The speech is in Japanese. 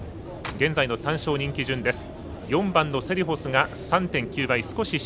現在の単勝人気順です。